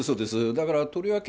だからとりわけ、